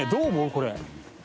これ。